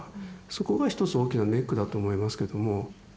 そこが一つ大きなネックだと思いますけれども。